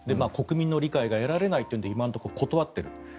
国民の理解が得られないというので今のところ、断っている。